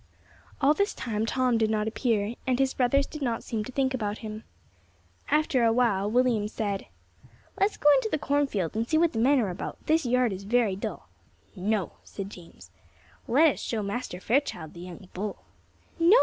All this time Tom did not appear, and his brothers did not seem to think about him. After a while William said: "Let us go into the cornfield, and see what the men are about; this yard is very dull." "No," said James, "let us show Master Fairchild the young bull." "No!